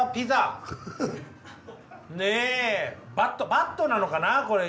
バットなのかなこれ。